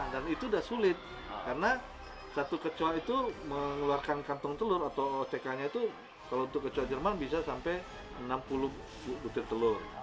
dan itu sudah sulit karena satu kecoa itu mengeluarkan kantong telur atau ck nya itu kalau untuk kecoa jerman bisa sampai enam puluh butir telur